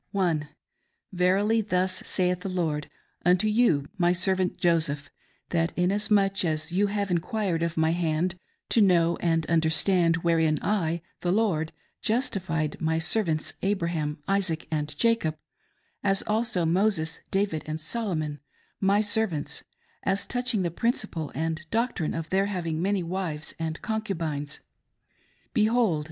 Verily, thus saith the Lord, unto you, my servant Joseph, that inasmuch ail you have inquired of my hand, to know and understand wherein I, the Lord, justified my servants, Abraham, Isaac, and Jacob; as also Moses, David, and Solomon, my servants, aS touching the principle and doctrine of their having many wives and concubines : Behold